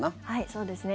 そうですね。